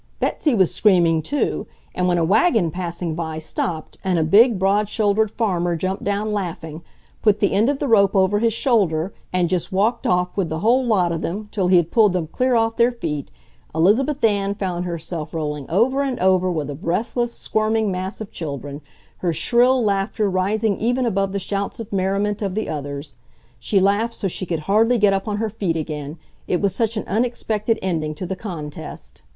Betsy was screaming too, and when a wagon passing by stopped and a big, broad shouldered farmer jumped down laughing, put the end of the rope over his shoulder, and just walked off with the whole lot of them till he had pulled them clear off their feet, Elizabeth Ann found herself rolling over and over with a breathless, squirming mass of children, her shrill laughter rising even above the shouts of merriment of the others. She laughed so she could hardly get up on her feet again, it was such an unexpected ending to the contest.